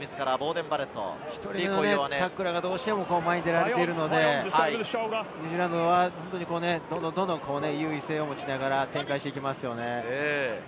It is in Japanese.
タックルがどうしても前に出られているので、ニュージーランドはどんどん優位性を持ちながら展開していますよね。